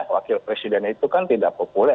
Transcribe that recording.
wakil presiden itu kan tidak populer